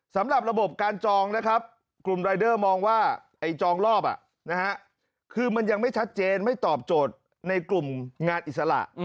สำหรับระบบการจองนะครับกลุ่มรายเดอร์มองว่าจองรอบคือมันยังไม่ชัดเจนไม่ตอบโจทย์ในกลุ่มงานอิสระ